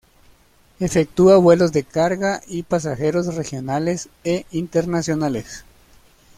Efectúa vuelos de carga y pasajeros regionales e internacionales.